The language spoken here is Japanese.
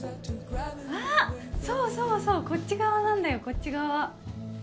あっ、そうそうそう、こっち側なんだよ、こっち側。